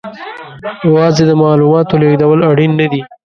یوازې د معلوماتو لېږدول اړین نه دي.